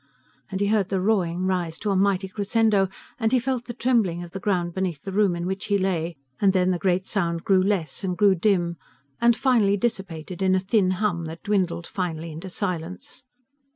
And he heard the roaring rise to a mighty crescendo, and he felt the trembling of the ground beneath the room in which he lay, and then the great sound grew less, and grew dim, and finally dissipated in a thin hum that dwindled finally into silence.